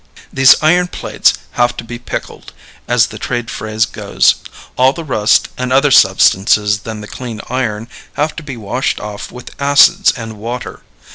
These iron plates have to be "pickled," as the trade phrase goes. All the rust and other substances than the clean iron have to be washed off with acids and water.